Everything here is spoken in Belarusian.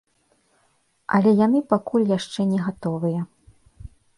Але яны пакуль яшчэ не гатовыя.